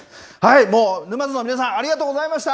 もう沼津の皆さん、ありがとうございました。